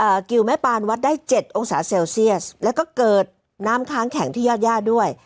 กิวแม่ปานวัดได้เจ็ดองศาเซลเซียสแล้วก็เกิดน้ำค้างแข็งที่ยอดย่าด้วย